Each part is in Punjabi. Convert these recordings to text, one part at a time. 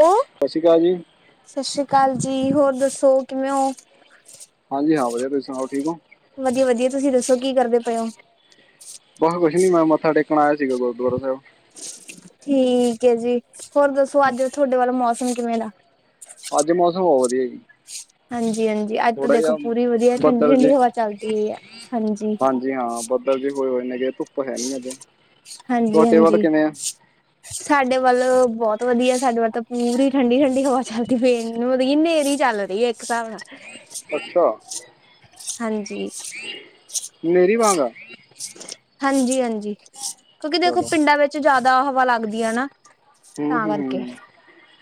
ਹੈਲੋ, ਸਤਿ ਸ਼੍ਰੀ ਅਕਾਲ ਜੀ ਸਤਿ ਸ੍ਰੀ ਅਕਾਲ ਜੀ ਹੋਰ ਦੱਸੋ ਕਿਵੇਂ ਹੋ? ਹਾਂਜੀ ਹਾਂ ਵਧੀਆ ਤੁਸੀਂ ਸੁਣਾਓ ਠੀਕ ਹੋ? ਵਧੀਆ ਵਧੀਆ ਤੁਸੀਂ ਦੱਸੋ ਕੀ ਕਰਦੇ ਪਏ ਹੋ? ਨਹੀ ਮੈਂ ਮੱਥਾ ਟੇਕਣ ਆਇਆ ਸੀਗਾ ਗੁਰਦੁਆਰਾ ਸਾਹਿਬ। ਠੀਕ ਹੈ ਜੀ, ਹੋਰ ਦੱਸੋ ਅੱਜ ਤੁਹਾਡੇ ਵੱਲ ਮੌਸਮ ਕਿਵੇਂ ਦਾ? ਅੱਜ ਮੌਸਮ ਬਹੁਤ ਵਧੀਆ ਜੀ। ਹਾਂਜੀ। ਹਾਂਜੀ, ਹਾਂਜੀ! ਅੱਜ ਤਾਂ ਥੋੜਾ ਦੇਖੋ, ਜਿਹਾ ਪੂਰੀ ਵਧੀਆ ਬੱਦਲ ਠੰਡੀ-ਠੰਡੀ ਜੇ ਹਵਾ ਚੱਲ ਰਹੀ ਹੈ, ਹਾਂਜੀ। ਹਾਂ ਬੱਦਲ ਜੇ ਧੁੱਪ ਹੈ ਨੀ ਅੱਜ ਹਾਂਜੀ ਤੁਹਾਡੇ ਵੱਲ ਹਾਂਜੀ ਕਿਵੇਂ ਆ? ਸਾਡੇ ਵੱਲ ਬਹੁਤ ਵਧੀਆ ਸਾਡੇ ਵੱਲ ਤਾਂ ਪੂਰੀ ਠੰਡੀ-ਠੰਡੀ ਹਵਾ ਚੱਲਦੀ ਪਏ ਮਤਲਬ ਹਨੇਰੀ ਚੱਲ ਰਹੀ ਏ, ਇੱਕ ਹਿਸਾਬ ਨਾਲ। ਅੱਛਾ। ਹਾਂਜੀ। ਮੇਰੀ ਵਾਂਗ ਆ ਹਾਂਜੀ, ਹਾਂਜੀ! ਕਿਉਂਕਿ ਦੇਖੋ, ਚਲੋ ਪਿੰਡਾਂ ਵਿੱਚ ਜਿਆਦਾ ਹਵਾ ਲੱਗਦੀ ਆ ਨਾ। ਹਮ, ਤਾਂ ਕਰਕੇ ਹਮ, ਹਮ।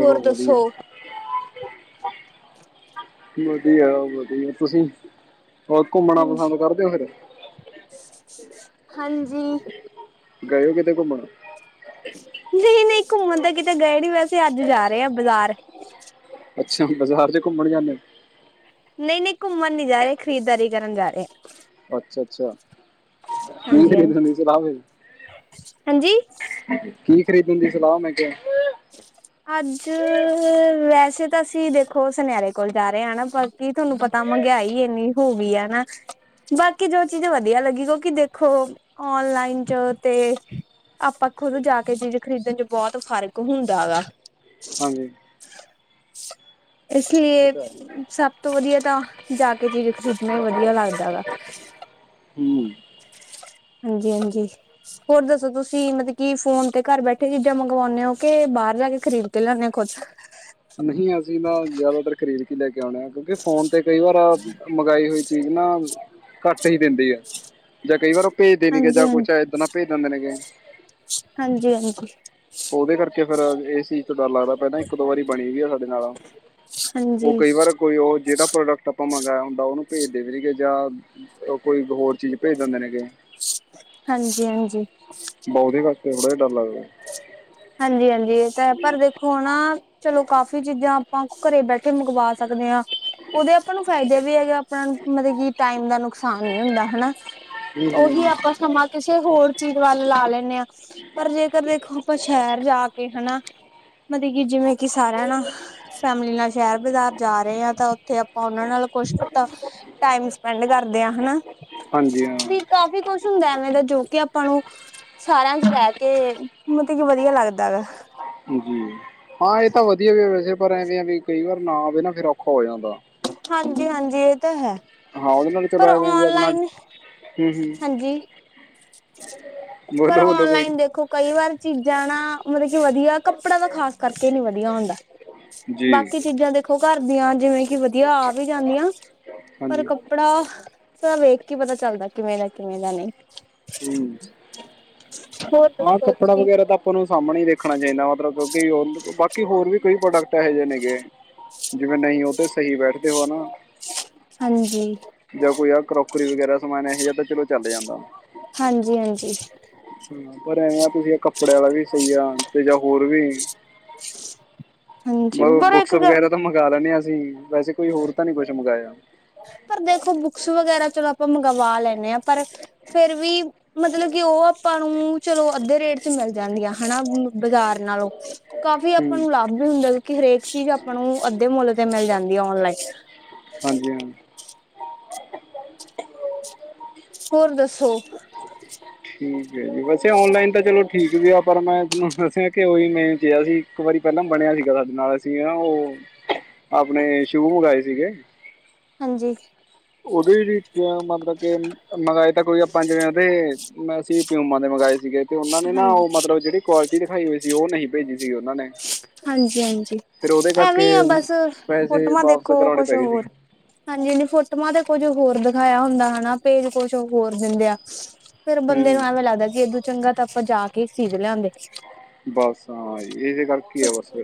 ਹੋਰ ਦੱਸੋ ਵਧੀਆ। ਵਧੀਆ, ਵਧੀਆ! ਤੁਸੀਂ ਹੋਰ ਘੁੰਮਣਾ ਹਾਂਜੀ ਪਸੰਦ ਕਰਦੇ ਹੋ ਫਿਰ? ਹਾਂਜੀ ਗਏ ਕਿਤੇ ਘੁੰਮਣ? ਨਹੀਂ ਨਹੀਂ ਘੁੰਮਣ ਤਾਂ ਕਿਤੇ ਗਏ ਨੀ ਵੈਸੇ ਅੱਜ ਜਾ ਰਹੇ ਆ ਬਜ਼ਾਰ! ਅੱਛਾ ਬਾਜ਼ਾਰ ਚ ਘੁੰਮਣ ਜਾਂਦੇ? ਨਹੀਂ ਨਹੀਂ ਘੁੰਮਣ ਨੀ ਜਾ ਰਹੇ ਖਰੀਦਦਾਰੀ ਕਰਨ ਜਾ ਰਹੇ। ਅੱਛਾ ਅੱਛਾ [inaudible] ਕੀ ਹਾਂਜੀ ਹਾਂਜੀ ਖਰੀਦਣ ਹਾਂਜੀ ਦੀ ਸਲਾਹ ਮੈਂ ਕਿਹਾ! ਅੱਜ ਵੈਸੇ ਤਾਂ ਅਸੀਂ ਦੇਖੋ ਸੁਨਿਆਰੇ ਕੋਲ ਜਾ ਰਹੇ ਹ ਨਾ ਪਰ ਕੀ ਤੁਹਾਨੂੰ ਪਤਾ। ਮਹਿੰਗਾਈ ਇੰਨੀ ਹੋ ਗਈ ਹੈ ਨਾ! ਬਾਕੀ ਜੋ ਚੀਜ਼ ਵਧੀਆ ਲੱਗੀ ਕਿਉਂਕਿ ਦੇਖੋ ਓਨਲਾਈਨ ਚ ਤੇ! ਆਪਾਂ ਖੁਦ ਜਾ ਕੇ ਚੀਜ਼ ਖਰੀਦਣ ਚ ਬਹੁਤ ਫ਼ਰਕ ਹੁੰਦਾ ਵੈ। ਹਾਂਜੀ। [unintelligible] ਇਸ ਇਹ ਲਈ ਤਾਂ ਹੈ ਸਭ ਤੋਂ ਵਧੀਆ ਤਾਂ ਜਾ ਕੇ ਚੀਜ਼ ਖਰੀਦਣਾ ਹੀ ਵਧੀਆ ਲੱਗਦਾ ਵੈ [unintelligible] [unintelligible] ਹਾਂਜੀ ਹਾਂਜੀ ਹੋਰ ਦੱਸੋ ਤੁਸੀਂ ਮਤਲਬ ਕੀ ਫੋਨ ਤੇ ਘਰ ਬੈਠੇ ਚੀਜ਼ਾਂ ਮੰਗਵਾਉਂਦੇ ਹੋ ਕਿ ਬਾਹਰ ਜਾ ਕੇ ਖਰੀਦ ਕੇ ਲੈਂਦੇ ਹੋ ਕੁੱਝ ਨਹੀਂ ਅਸੀਂ ਨਾ ਜ਼ਿਆਦਾਤਰ ਖਰੀਦ ਲੈ ਕੇ ਆਉਣੇ ਆ ਕਿਉਂਕਿ ਫੋਨ ਤੇ ਕਈ ਵਾਰ ਮੰਗਾਈ ਹੋਈ ਚੀਜ਼ ਨਾ! ਘੱਟ ਹੀ ਦਿੰਦੀ ਹੈ ਜਾਂ ਕਈ ਵਾਰ ਭੇਜਦੇ ਨ ਗ ਹਾਂਜੀ ਜਾਂ ਹਾਂਜੀ ਕੁਛ ਏਦਾਂ ਭੇਜ ਦਿੰਦੇ ਨੇਗੇ ਹਾਂਜੀ ਹਾਂਜੀ ਉਹਦੇ ਕਰਕੇ! ਫੇਰ ਇਹ ਸੀ ਤੋਂ ਡਰ ਲੱਗਦਾ ਪਹਿਦਾ ਇੱਕ ਦੋ ਵਾਰੀ। ਬਣੀ ਵੀ ਆ ਸਾਡੇ ਨਾਲ ਹਾਂਜੀ ਉਹ ਹਾਂਜੀ ਕਈ ਵਾਰ ਕੋਈ ਉਹ ਜਿਹੜਦਾ ਪ੍ਰੋਡਕਟ ਆਪਾਂ ਮੰਗ। ਹੁੰਦਾ ਉਹਨੂੰ ਭੇਜਦੇ ਵੀ ਨੇਗੇ ਜਾਂ ਕੋਈ ਹੋਰ ਚੀਜ਼ ਭੇਜ ਦਿੰਦੇ ਨੇਗੇ। ਹਾਂਜੀ ਹਾਂਜੀ ਕੇ ਬੜਾ ਹੀ ਡਰ ਲਗਦਾ ਹਾਂਜੀ ਹਾਂਜੀ ਇਹ ਤਾਂ ਹੈ ਪਰ ਦੇਖੋ ਹ ਨਾ। ਚਲੋ ਕਾਫ਼ੀ ਚੀਜ਼ਾਂ ਆਪਾਂ ਘਰੇ ਬੈਠੇ ਮੰਗਵਾ ਸਕਦੇ ਹਾਂ। ਉਹਦੇ ਆਪਾਂ ਨੂੰ ਫਾਇਦੇ ਵੀ ਹੈਗਾ ਆਪਣਾ ਨੂੰ ਮਤਲਬ ਕਿ ਟਾਈਮ ਦਾ ਨੁਕਸਾਨ ਨੀ ਹੁੰਦਾ ਹਨਾ। ਹੂੰ ਉਹੀ ਹੂੰ ਆਪਾਂ ਸਮਾਂ ਕਿਸੇ ਹੋਰ ਚੀਜ਼ ਵੱਲ ਲਾ ਲੈਂਦੇ ਹਾਂ ਪਰ ਜੇਕਰ ਦੇਖੋ। ਆਪਾਂ ਸ਼ਹਿਰ ਜਾ ਕੇ ਹਨਾ। ਮਤਲਬ ਕਿ ਜਿਵੇਂ ਕਿ ਸਾਰਿਆਂ ਨਾ ਫੈਮਿਲੀ ਨਾਲ ਸ਼ਹਿਰ ਬਾਜ਼ਾਰ ਜਾ ਰਹੇ ਆ ਤਾਂ ਉੱਥੇ ਆਪਾਂ ਉਹਨਾਂ ਨਾਲ ਕੁਛਤਾ ਟਾਈਮ ਸਪੈਂਡ ਕਰਦੇ ਆ ਹਨਾ। ਹਾਂਜੀ ਵੀ ਹਾਂ ਕਾਫ਼ੀ ਕੁਛ ਹੁੰਦਾ ਐਵੇਂ ਦਾ ਜੋ ਕਿ ਆਪਾਂ ਨੂੰ ਸਾਰਿਆਂ ਚ ਰਹਿ ਕੇ ਮਤਲਬ ਕੀ ਵਧੀਆ ਲੱਗਦਾ ਵਾ। ਜੀ ਹਾਂ ਇਹ ਤਾਂ ਵਧੀਆ ਵੀ ਵੈਸੇ ਪਰ ਐਵੇਂ ਆ ਬੀ ਵੀ ਕਈ ਵਾਰ ਨਾ ਆਵੇ ਨਾ ਫਿਰ ਔਖਾ ਹੋ ਜਾਂਦਾ! ਹਾਂਜੀ ਹਾਂਜੀ ਇਹ ਤਾਂ ਹੈ। ਹਾਂ ਉਹਦੇ ਨਾਲ ਪਰ ਚਲਾਇਆ ਜਾਏਗੀ ਆਪਣਾ ਓਨਲਾਈਨ ਹੂੰ ਹੂੰ ਹਾਂਜੀ ਪਰ ਬੋਲੋ ਬੋਲੋ ਕੋਈ ਔਨਲਾਈਨ ਨੀ। ਦੇਖੋ ਕਈ ਵਾਰ ਚੀਜ਼ਾਂ ਨਾ ਮਤਲਬ ਕਿ ਵਧੀਆ ਕੱਪੜਾ ਤਾਂ ਖਾਸ ਕਰਕੇ ਨੀ ਵਧੀਆ ਹੁੰਦਾ। ਜੀ ਬਾਕੀ ਚੀਜ਼ਾਂ ਦੇਖੋ ਘਰ ਦੀਆਂ ਜਿਵੇਂ ਕਿ ਵਧੀਆ ਆ ਵੀ ਜਾਂਦੀਆਂ। ਪਰ ਹਾਂਜੀ ਕੱਪੜਾ ਸਾਰਾ ਵੇਖ ਕੇ ਪਤਾ ਚੱਲਦਾ ਕਿਵੇਂ ਦਾ ਕਿਵੇਂ ਦਾ ਨਹੀਂ! ਹੂੰ ਹੋਰ ਹਾਂ ਦੱਸੋ ਕੱਪੜਾ ਤੁਸੀਂ ਵਗੈਰਾ ਤਾਂ ਆਪਾਂ ਨੂੰ ਸਾਹਮਣੇ ਹੀ ਦੇਖਣਾ ਚਾਹੀਦਾ ਮਤਲਬ ਕਿਉਂਕਿ ਬਾਕੀ ਹੋਰ ਵੀ ਕੋਈ ਪ੍ਰੋਡਕਟ ਇਹੋ ਜਿਹੇ ਨੇਗੇ ਜਿਵੇਂ ਨਹੀਂ ਉਹ ਤਾਂ ਸਹੀ ਬੈਠਦੇ ਹੋ ਨਾ। ਹਾਂਜੀ ਜਾਂ ਕੋਈ ਆ ਕਰੋਕਰੀ ਵਗੈਰਾ ਸਮਾਨ ਇਹੋ ਆ ਤਾਂ ਚਲੋ ਚੱਲ ਜਾਂਦਾ ਹਾਂਜੀ ਹਾਂਜੀ। ਹਮ ਪਰ ਐਵੇਂ ਆ ਤੁਸੀਂ ਕੱਪੜਿਆਂ ਵਾਲਾ ਵੀ ਸਹੀ ਆ ਤੇ ਜਾਂ ਹੋਰ ਵੀ ਹਾਂਜੀ ਬ ਪਰ ਬੁੱਕਸ ਇੱਕ ਗੱਲ ਵਗੈਰਾ ਤਾਂ ਮੰਗਵਾ ਲੈਣੇੇ ਹਾਂ ਅਸੀਂ ਵੈਸੇ ਕੋਈ ਹੋਰ ਤਾਂ ਨਹੀਂੀ ਕੁਛ ਮੰਗਾਇਆ ਪਰ ਦੇਖੋ ਬੁੱਕਸ ਵਗੈਰਾ ਚਲੋ ਆਪਾਂ ਮੰਗ ਗਵਾ ਲੈਂਦੇ ਹਾਂ ਪਰ ਫੇਿਰ ਵੀ ਮਤਲਬ ਕਿ ਉਹ ਆਪਾਂ ਨੂੰ ਚਲੋ ਅੱਧੇ ਰੇਟ ਚ ਮਿਲ ਜਾਂਨ। ਜਾਂ ਹਨਾ ਬਾਜ਼ਾਰ ਨਾਲੋਂ ਕਾਫ਼ੀ ਆਪਾਂ ਹੂੰ ਨੂੰ ਲਾਭ। ਹੁੰਦਾ ਕਿਉਂਕਿ ਹਰੇਕ ਚੀਜ਼ ਆਪਾਂ ਨੂੰ ਅੱਧੇ ਮੁੱਲ ਤੇ ਮਿਲ ਜਾਂਦੀ ਹੈ ਹਾਂਜੀ ਔਨਲਾਈਨ। ਹਾਂ ਹੋਰ ਦੱਸੋ! ਠੀਕ ਹੈ ਜੀ ਵੈਸੇ ਔਨਲਾਈਨ ਤਾਂ ਚਲੋ ਠੀਕ ਵੀ ਆ ਪਰ ਮੈਂ ਤੁਹਨੂੰ ਦੱਸਿਆ ਕਿ ਓਹੀ ਮੈਂ ਕਿਹਾ ਸੀ ਇੱਕ ਵਾਰੀ ਪਹਿਲਾਂ ਬਣਿਆ ਸੀਗਾ ਸਾਡੇ ਨਾਲ ਅਸੀਂ ਨਾ ਉਹ ਆਪਣੇ ਸ਼ੂ ਮੰਗਵਾਏ ਸੀਗੇ ਹਾਂਜੀ ਉਹਦੇ ਮਤਲਬ ਕੇ ਮੰਗਵਾਏ ਤਾਂ ਕੋਈ ਪੰਜਾਂ ਵਜ ਉਹਦੇ ਮੈਂ ਸੀ ਪਿਊਮਾਂ ਦੇ ਮੰਗਵਾਏ ਸੀਗੇ ਤੇ ਉਹਨਾਂ ਨੇ ਨਾ ਹਾਂਜੀ ਉਹ ਮਤਲਬ ਜਿਹੜੀ ਕੁਆਲਟੀ ਦਿਖਾਈ ਹੋਈ ਸੀ ਉਹ ਨਹੀਂ ਭੇਜੀ। ਸੀ ਉਹਨਾਂ ਨੇ ਹਾਂਜੀ -ਹਾਂਜੀ ਫਿਰ ਉਹਦੇ ਕਰਕੇ ਐਵੇਂ ਆ ਬਸ ਪੈਸੇ ਫੋਟੋਆਂ ਵਾਪਸ ਦੇਖੋ ਕਰਾਉਣੇ ਕੁਛ ਪੈ ਗਏ ਸੀਗੇ ਹੋਰ ਹਾਂਜੀ -ਹਾਂਜੀ ਫੋਟੋਆਂ ਤੇ ਕੁੱਝ ਹੋਰ ਦਿਖਾਇਆ ਹੁੰਦਾ ਹਨਾ ਪੇਜ ਕੁਛ ਹੋਰ ਦਿੰਦੇ ਆ। ਫੇਰ ਬੰਦੇ ਨੂੰ ਹੂੰ ਐਵੇਂ ਲੱਗਦਾ ਕਿ ਏਦੋਂ ਚੰਗਾ ਤਾਂ ਆਪਾਂ ਜਾ ਕੇ ਖੀਦ ਲਿਆਂਦੇ। ਕਰ ਕੀ ਆ ਬਸਵੇ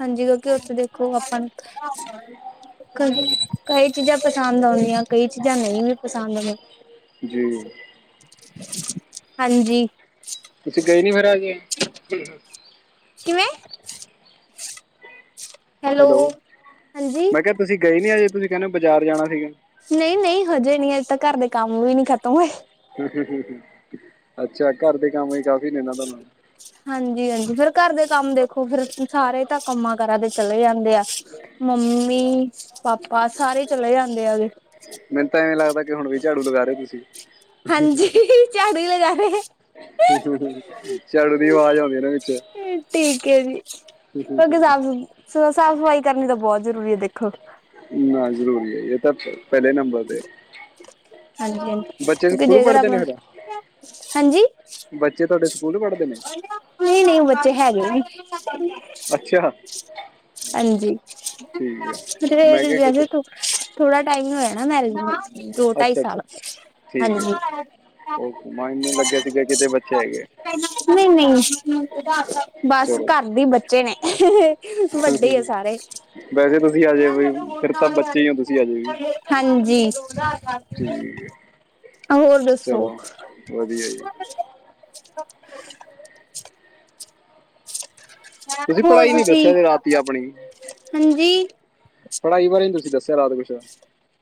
ਹਾਂਜੀ ਕਿਉਂਕਿ ਉੱਥੇ ਦੇਖੋ ਆਪਾਂ ਕਈ ਚੀਜ਼ਾਂ ਪਸੰਦ ਆਉਂਦੀਆਂ ਕਈ ਚੀਜ਼ਾਂ ਨਹੀਂ ਵੀ ਪਸੰਦ ਆਉਂਦੀਆਂ। ਜੀ। ਹਾਂਜੀ ਤੁਸੀਂ ਗਏ ਨੀ ਫਿਰ ਆ ਗਿਆ। ਕਿਵੇਂ ਹੈਲੋ ਹਾਂਜੀ ਮੈਂ ਕਿਹਾ ਤੁਸੀਂ ਗਏ ਨੀ ਅਜੇ ਤੁਸੀਂ ਕਹਿੰਦੇ ਹੋ ਬਾਜ਼ਾਰ ਜਾਣਾ ਸੀਗਾ। ਨਹੀਂ -ਨਹੀਂ ਹਜੇ ਨਹੀਂ ਤਾਂ ਘਰ ਦੇ ਕੰਮ ਵੀ ਹੀ ਨਹੀਂ ਖਤਮ ਹੋਏ। ਅੱਛਾ ਘਰ ਦੇ ਕੰਮ ਵੀ ਕਾਫੀ ਨੇ ਇਹਨਾਂ ਤੁਹਾਨੂੰ ਹਾਂਜੀ- ਹਾਂਜੀ ਫਰ ਘਰ ਦੇ ਕੰਮ ਦੇਖੋ ਫੇਰ ਸਾਰੇ ਤਾਂ ਕੰਮਾਂ ਕਰਾਂ ਦੇ ਚਲੇ ਜਾਂਦੇ ਆ। ਮੰਮੀ ਪਾਪਾ ਸਾਰੇ ਚਲੇ ਜਾਂਦੇ ਹੈਗੇ। ਮੈਨੂੰ ਤਾਂ ਐਵੇਂ ਲੱਗਦਾ ਕਿ ਹੁਣ ਵੀ ਝਾੜੂ ਲਗਾ ਰਹੇ ਤੁਸੀਂ ਹਾਂਜੀ ਝਾੜੂ ਲਗਾ ਰਹੇ। ੜਦੀ ਆਵਾਜ਼ ਆਉਂਦੀ ਇਹਨਾਂ ਵਿੱਚ ਠੀਕ ਹੈ ਜੀ ਕਿਉਂ ਸਾਫ਼ -ਸਾਫ਼ ਸਫ਼ਾਈ ਕਰਨੀ ਤਾਂ ਬਹੁਤ ਜ਼ਰੂਰੀ ਹੈ ਦੇਖੋ। ਨਾ ਜ਼ਰੂਰੀ ਹੈ ਇਹ ਪਹਿਲੇ ਨੰਬਰ ਤੇ ਹਾਂਜੀ ਹਾਂਜੀ ਬੱਚੇ ਕਿਉਂਕਿ ਸਕੂਲ ਜੇਕਰ ਪੜ੍ਹਦੇ ਆਪਣਾ ਨੇ ਸਾਡਾ ਹਾਂਜੀ ਬੱਚੇ ਤੁਹਾਡੇ ਸਕੂਲ ਪੜ੍ਹਦੇ ਨੇ ਨਹੀਂ- ਨਹੀਂ ਬੱਚੇ ਹੈਗੇ ਨੀ। ਅੱਛਾ ਹਾਂਜੀ ਠੀਕ ਹੈ ਮੈਂ ਕਿਹਾ ਕਿਤੇ [unintelligible] ਥੋੜਾ ਟਾਈਮ ਹੋਇਆ। ਹਨ ਮੈ ਦੋ ਢਾਈ ਅੱਛਾ ਸਾਲ ਹਾਂਜੀ ਉਹ ਮਾ ਇਨੂੰ ਲੱਗਿਆ ਸੀਗਾ ਕਿਤੇ ਬੱਚੇ ਹੈਗੇ। ਨਹੀਂ ਬਸ ਚਲੋ ਘਰ ਦੇ ਬੱਚੇ ਨੇ ਵੱਡੇ ਆ ਸਾਰੇ ਵੈਸੇ ਤੁਸੀਂ ਆ ਜਾਏ ਵੀ ਫਿਰ ਤਾਂ ਬੱਚੇ ਹੀ ਹੋ ਤੁਸੀਂ ਆ ਜਾਏ ਵੀ [unintelligible] ਹਾਂਜੀ ਠੀਕ ਹੋਰ ਦੱਸੋ ਚਲੋ ਵਧੀਆ ਜੀ। ਤੁਸੀਂ ਹੋਰ ਪੜ੍ਹਾਈ ਨੀ ਦੱਸਿਆ ਤੁਸੀਂ ਸੀ ਰਾਤੀ ਆਪਣੀ ਹਾਂਜੀ ਪੜ੍ਹਾਈ ਬਾਰੇ ਤੁਸੀਂ ਦੱਸਿਆ ਰਾਤ ਕੁਛ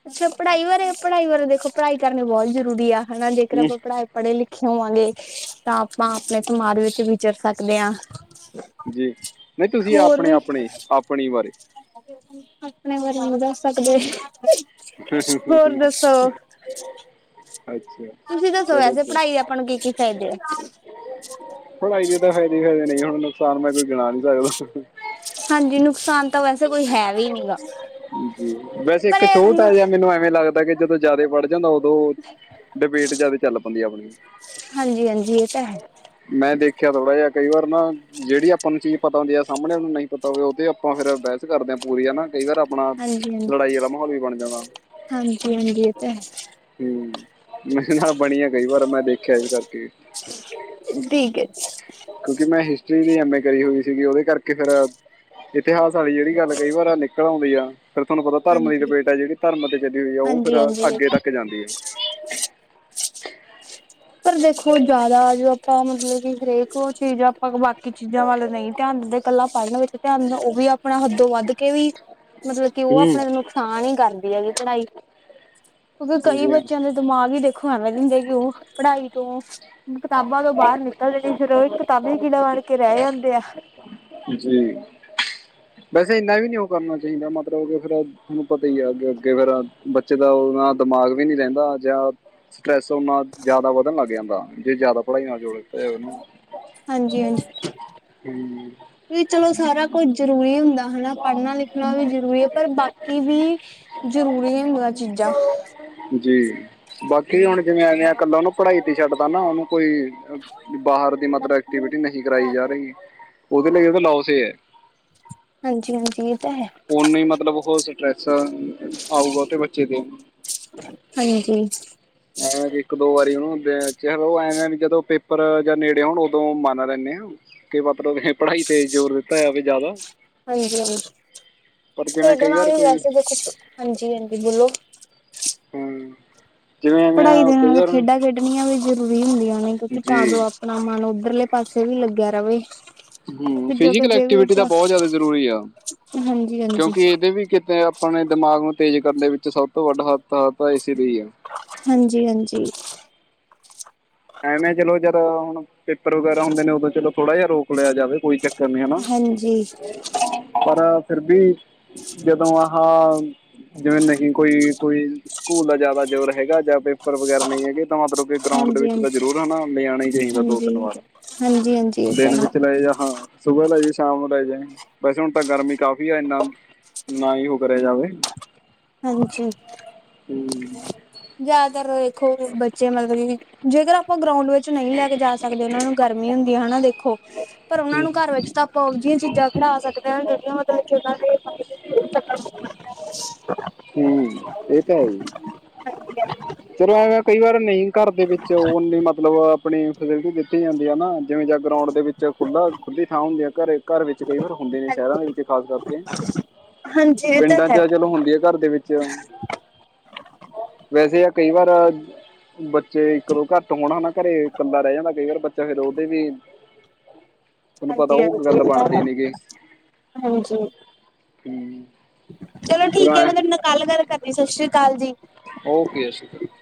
ਅੱਛਾ ਪੜ੍ਹਾਈ ਬਾਰੇ ਪੜ੍ਹਾਈ ਬਾਰੇ ਦੇਖੋ ਪੜ੍ਹਾਈ ਕਰਨੇ ਬਹੁਤ ਜ਼ਰੂਰੀ ਆ ਹਨਾ ਜੇਕਰ ਹੂੰ ਆਪਾਂ ਪੜ੍ਹਾਈ ਪੜ੍ਹੇ ਲਿਖੇ ਹੋਵਾਂਗੇ ਤਾਂ ਆਪਾਂ ਆਪਣੇ ਸਮਾਜ ਵਿੱਚ ਵਿਚਰ ਸਕਦੇ ਹਾਂ। ਜੀ ਨਹੀਂ ਤੁਸੀਂ ਹੋਰ ਆਪਣੇ ਵੀ -ਆਪਣੇ ਆਪਣੀ ਬਾਰੇ ਆਪਣੇ ਬਰਿਆਂ ਨੂੰ ਦੱਸ ਸਕਦੇ [inaudible] ਹੋਰ ਦੱਸੋ [inaudible] ਤੁਸੀਂ ਦੱਸੋ ਚਲੋ ਵੈਸੇ ਤੇ ਪੜ੍ਹਾਈ ਆਪਾਂ ਨੂੰ ਕੀ- ਕੀ ਫਾਇਦੇ ਆ। ਹੁਣਈ ਜ ਤਾਂ ਫਾਇਦੇ -ਫਾਇਦੇ ਨਹੀਂ ਹੁਣ ਨੁਕਸਾਨ ਮੈਂ ਕੋਈ ਗਿਣਾ ਨਹੀਂ ਸਕਦਾ। ਹਾਂਜੀ ਨੁਕਸਾਨ ਤਾਂ ਵੈਸੇ ਕੋਈ ਹੈ ਵੀ ਹੀ ਨਹੀਂ ਗਾ। ਵੈਸੇ ਪਰ ਇੱਕ ਛੋਟਾ ਇਹ ਜਿਹਾ ਮੈਨੂੰ ਐਵੇਂ ਲੱਗਦਾ ਕਿ ਜਦੋਂ ਜਿਆਦਾ ਪੜ੍ਹ ਜਾਂਦਾ ਉਦੋਂ ਡਿਬੇਟ ਜਿਆਦਾ ਚੱਲ ਪੈਂਦੀ ਆ ਆਪਣੀ ਹਾਂਜੀ ਹਾਂਜੀ ਇਹ ਤਾਂ ਹੈ ਮੈਂ ਦੇਖਿਆ ਥੋੜ੍ਹਾ ਜਿਹਾ ਕਈ ਵਾਰ ਨਾ ਜਿਹੜੀ ਆਪਾਂ ਨੂੰ ਚੀਜ਼ ਪਤਾ ਹੁੰਦੀ ਆ ਸਾਹਮਣੇ ਉਹ ਨੂੰ ਨਹੀਂ ਪਤਾ ਹੋਵੇ ਉਹਦੇ ਆਪਾਂ ਫੇਰ ਬਹਿਸ ਕਰਦੇ ਪੂਰੀ ਹਨਾ। ਕਈ ਵਾਰ ਆਪਣਾ ਹਾਂਜੀ ਹਾਂਜੀ ਲੜਾਈ ਵਾਲਾ ਮਾਹੌਲ ਵੀ ਬਣ ਜਾਣਾ ਹਾਂਜੀ ਹਾਂਜੀ ਇਹ ਤਾਂ ਹੈ ਹੂੰ। ਮੈਂ [unintelligible] ਬਣੀਆਂ ਕਈ ਵਾਰ ਮੈਂ ਦੇਖਿਆ ਵੀ ਕਰਕੇ ਠੀਕ ਹੈ ਜੀ ਐਮ ਏ ਕਰੀ ਹੋਈ ਸੀਗੀ ਉਹਦੇ ਕਰਕੇ ਫਿਰ ਇਤਿਹਾਸ ਵਾਲੀ ਜਿਹੜੀ ਗੱਲ ਕਈ ਵਾਰ ਨਿਕਲੋ [unintelligible] ਫਿਰ ਤੁਹਾਨੂੰ ਪਤਾ ਧਰਮ ਦੀ ਹਾਂਜੀ ਡਬੇਟ ਹੈ ਜਿਹੜੀ ਧਰਮ ਤੇ ਚਲੀ ਹੋਈ ਆ ਉਹ ਫਿਰ ਹਾਂਜੀ ਹਾਂਜੀ ਅੱਗੇ ਤੱਕ ਜਾਂਦੀ ਹੈ [inaudible] ਪਰ ਦੇਖੋ ਜਿਆਦਾ ਜੋ ਆਪਾਂ ਮਤਲਬ ਕਿ ਹਰੇਕ ਉਹ ਚੀਜ਼ ਆਪਾਂ ਕੀ ਚੀਜ਼ਾਂ ਵੱਲ ਨਹੀਂ ਧਿਆਨ ਦਿੰਦੇ ਕੱਲਾ ਪੜਨ ਵਿੱਚ ਧਿਆਨ ਉਹ ਵੀ ਆਪਣਾ ਹੱਦੋਂ ਵੱਧ ਕੇ ਵੀ ਮਤਲਬ ਕਿ ਉਹ ਹੂੰ ਆਪਣੇ ਨੁਕਸਾਨ ਹੀ ਕਰਦੀ ਹੈਗੀ ਪੜ੍ਹਾਈ ਕਿਉਂਕਿ ਕਈ ਹਾਂਜੀ ਬੱਚਿਆਂ ਹਾਂ ਦੇ ਦਿਮਾਗ ਹੀ ਦੇਖੋ ਐਵੇਂ ਦੇ ਹੁੰਦੇ ਕਿ ਉਹ ਪੜ੍ਹਾਈ ਤੋਂ ਕਿਤਾਬਾਂ ਤੋਂ ਬਾਹਰ ਨਿਕਲਦੇਣੀ ਫਿਰ ਉਹ ਇੱਕ ਕਿਤਾਬੀ ਕਿੜਾ ਬਾਣ ਕੇ ਰੈ ਜਾਂਦੇ ਆ ਜੀ ਵੈਸੇ ਇੰਨਾ ਵੀ ਨੀ ਉਹ ਕਰਨਾ ਚਾਹੀਦਾ ਮਤਲਬ ਫਿਰ ਬੜਾ ਉਦਾ ਤੁਹਾਨੂੰ ਪਤਾ ਹੀ ਅੱਗੇ ਅੱਗੇ ਫਿਰ ਬੱਚੇ ਦਾ ਉਹਨਾ ਦਿਮਾਗ ਵੀ ਨੀ ਰਹਿੰਦਾ ਜਾਂ ਸਟਰ੍ਰੈਸ ਉਹਨਾ ਜ਼ਿਆਦਾ ਵਧਣ ਲੱਗ ਜਾਂਦਾ ਜੇ ਜ਼ਿਆਦਾ ਪੜਾਈਆਂ [unintelligible] ਹਾਂਜੀ ਹਾਂਜੀ ਹੂ ਵੀ ਚਲੋ ਸਾਰਾ ਕੁੱਝ ਜਰੂਰੀ ਹੁੰਦਾ ਹਣਾ ਪੜ੍ਹਨਾ ਲਿਖਣਾ ਵੀ ਜਰੂਰੀ ਹੈ ਪਰ ਬਾਕੀ ਵੀ ਜਰੂਰੀ ਹੁੰਦਾ ਚੀਜ਼ਾਂ ਜੀ ਬਾਕੀ ਹੁਣ ਜਿਵੇਂ ਇਨਾਂ ਗੱਲਾਂ ਨੂੰ ਪੜ੍ਹਾਈ ਤੇ ਛੱਡਦਾ ਨਾ ਉਹਨੂੰ ਕੋਈ ਬਾਹਰ ਦੀ ਮਤਲਬ ਐਕਟੀਵਿਟੀ ਨਹੀਂ ਕਰਾਈ ਜਾ ਰਹੀ ਉਹਦੇ ਲਈ [unintelligible] ਹਾਂਜੀ ਹਾਂਜੀ ਤਾਂ ਹੈ ਉਨੇ ਹੀ ਮਤਲਬ ਹੋ ਸਕੇ ਆਊਗਾ ਤੇ ਬੱਚੇ ਦੇ ਇੱਕ ਹਾਂਜੀ ਦੋ [unintelligible] ਐਵੇਂ ਵੀ ਜਦੋਂ ਪੇਪਰ ਜਾਂ ਨੇੜੇ ਹੋਣ ਉਦੋਂ ਮੰਨ ਲੈਂਨੇ ਆਂ ਕਿ ਪ੍ਰਭ ਨੇ ਪੜ੍ਹਾਈ ਤੇ ਜ਼ੋਰ ਦਿੱਤਾ ਹੈ ਵੀ ਜ਼ਿਆਦਾ ਹਾਂਜੀ ਹਾਂਜੀ ਪਰ ਜਿਵੇਂ ਕਈ ਖੇਡਣਾ ਵਾਰ ਵੀ ਕੋਈ ਵੈਸੇ ਦੇਖੋ ਹਾਂਜੀ ਹਾਂਜੀ ਬੋਲੋ ਹਾਂ, ਜਿਵੇਂ ਐਵੇਂ ਪੜ੍ਹਾਈ ਆ ਦੇ ਕਈ ਨਾਲ ਵਾਰ ਖੇਡਾਂ ਖੇਡਣੀਆਂ ਵੀ ਜਰੁ ਰੀ ਹੁੰਦੀਆਂ ਨੇ ਕਿਉਂਕਿ ਤਾਂ ਜੋ ਜੀ ਆਪਣਾ ਮਨ ਉੱਧਰਲੇ ਪਾਸੇ ਵੀ ਲੱਗਿਆ ਰਵੇ ਹੂ ਤੇ ਜੋ ਫਿਜੀਕਲ ਜੇ ਵੀ ਐਕਟੀਵਿਟੀ ਤਾਂ ਬਹੁਤ ਜ਼ਿਆਦਾ ਜ਼ਰੂਰੀ ਆ ਹਾਂਜੀ ਹਾਂਜੀ ਕਿਉਂਕਿ ਇਹਦੇ ਵੀ ਕਿਤੇ ਆਪਣੇ ਦਿਮਾਗ ਨੂੰ ਤੇਜ਼ ਕਰਨ ਦੇ ਵਿੱਚ ਸਭ ਤੋਂ ਵੱਡਾ ਹੱਥ ਆ ਤਾਂ ਇਸ ਹਾਂਜੀ ਹਾਂਜੀ ਐ ਨਾ ਚਲੋ ਜਦੋਂ ਹੁਣ ਪੇਪਰ ਵਗੈਰਾ ਹੁੰਦੇ ਨੇ ਉਦੋਂ ਚਲੋ ਥੋੜਾ ਜਿਹਾ ਰੋਕ ਲਿਆ ਜਾਵੇ ਕੋਈ ਚੱਕਰ ਕਰ ਨੀ ਹਨਾ ਹਾਂਜੀ ਹਾਂਜੀ ਪਰ ਫਿਰ ਵੀ ਜਦੋਂ ਆਹ ਜਿਵੇਂ ਨਹੀਂ ਕੋਈ ਕੋਈ ਸਕੂਲ ਦਾ ਜ਼ਿਆਦਾ ਜ਼ੋਰ ਹੈਗਾ ਜਾਂ ਪੇਪਰ ਵਗੈਰਾ ਨਹੀਂ ਹੈਗੇ ਤਾਂ ਮਤਲਬ ਕੇ ਗਰਾਊਂਡ ਦੇ ਹਾਂਜੀ ਵਿੱਚ ਜਦੋਂ ਜ਼ਰੂਰ ਹੈ ਨਾ ਲਿਆਣਾ ਹੀ ਚਾਹੀਦਾ ਦੋ ਤਿੰਨ ਵਾਰ ਹਾਂਜੀ ਹਾਂਜੀ ਇਹ ਤਾਂ ਦਿਨ ਹੈ ਵਿੱਚ ਲਏ ਜਾ ਹਾਂ ਸੁਬਹ ਲੈ ਜੇ ਸ਼ਾਮ ਲੈ ਜੇ ਵੈਸੇ ਹੁਣ ਤਾਂ ਗਰਮੀ ਕਾਫ਼ੀ ਆ ਇੰਨਾ ਨਾ ਹੀ ਹੋ ਕਰਿਆ ਜਾਵੇ ਹਾਂਜੀ ਹੂੰ ਜਿਆਦਾਤਰ ਦੇਖੋ ਬੱਚੇ ਮਤਲਬ ਕਿ ਜੇਕਰ ਆਪਾਂ ਗਰਾਉਂਡ ਵਿੱਚ ਨਹੀਂ ਲੈ ਕੇ ਜਾ ਸਕਦੇ ਉਹਨਾਂ ਨੂੰ ਗਰਮੀ ਹੁੰਦੀ ਹੈ ਹਨਾ ਦੇਖੋ ਪਰ ਉਹਨਾਂ ਨੂੰ ਘਰ ਵਿੱਚ ਤਾਂ ਆਪਾਂ ਉਵੇਂ ਜਿਹੀਆਂ ਚੀਜ਼ਾਂ ਪੜ੍ਹਾ ਸਕਦੇ ਹਾਂ ਜਿਹੜੀਆਂ ਮਤਲਬ ਕਿ ਉਹਨਾਂ ਦੇ [unintelligible] ਹੂ ਇਹ ਤਾਂ ਹੈ ਈ [inaudible] ਚਲੋ ਐਵੇਂ ਕਈ ਵਾਰ ਨਹੀਂ ਘਾਰ ਦੇ ਵਿੱਚ ਉਨੀਂ ਮਤਲਬ ਆਪਣੀ ਫੈਸਿਲਟੀ ਦਿੱਤੀ ਜਾਂਦੀ ਹੈ ਨਾ ਜਿਵੇਂ ਜਾ ਗਰਾਊਂਡ ਦੇ ਵਿੱਚ ਖੁੱਲਾ ਖੁੱਲੀ ਥਾਂ ਹੁੰਦੀ ਹੈ ਘਰ ਘਰ ਵਿੱਚ ਕਈ ਵਾਰ ਹੁੰਦੇ ਨੇ ਸ਼ਹਿਰਾਂ ਦੇ ਵਿੱਚ ਖਾਸ ਕਰਕੇ ਹਾਂਜੀ ਇਹ ਤਾਂ ਪਿੰਡਾਂ ਹੈ ਚ ਚਲੋ ਹੁੰਦੀ ਆ ਘਰ ਦੇ ਵਿੱਚ ਵੈਸੇ ਆ ਕਈ ਵਾਰ ਬੱਚੇ ਇੱਕ ਦੋ ਘੱਟ ਹੋਣ ਹਨਾ ਘਰੇ ਇਕੱਲਾ ਰਹਿ ਜਾਂਦਾ ਕਈ ਵਾਰ ਬੱਚਾ ਫਿਰ ਉਹਦੇ ਵੀ ਤੁਹਾਨੂੰ ਪਤਾ ਹਾਂਜੀ ਉਹ ਹਾਂਜੀ ਗੱਲ ਇਹ ਤਾਂ ਬਣਦੀ ਹੈ ਨੀ ਹੂ ਹਾਂਜੀ ਚਲੋ ਠੀਕ ਹੈ ਮੈਂ ਤੁਹਾਡੇ ਨਾਲ ਕਲ ਗੱਲ ਕਰਨੀ ਸਤਿ ਸ੍ਰੀ ਅਕਾਲ ਜੀ ਓਕੇ [unintelligible]